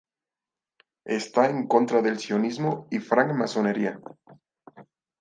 Está en contra del sionismo y la francmasonería.